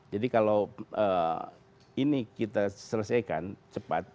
kalau ini kita selesaikan cepat